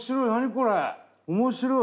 これ面白い！